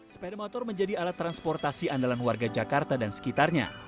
sepeda motor menjadi alat transportasi andalan warga jakarta dan sekitarnya